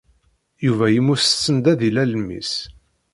Yuba yemmut send ad d-ilal mmi-s.